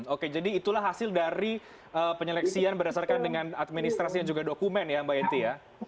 oke jadi itulah hasil dari penyeleksian berdasarkan dengan administrasi dan juga dokumen ya mbak yenti ya